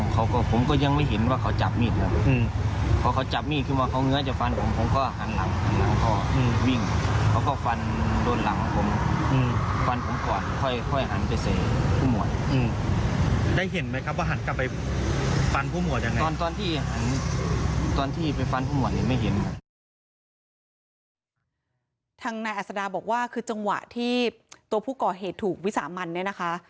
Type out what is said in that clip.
ทางอัศดาบอกว่าคือจังหวะที่ตัวผู้ก่อเหตุถูกวิสามันเนี่ยนะคะ